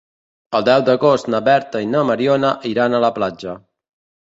El deu d'agost na Berta i na Mariona iran a la platja.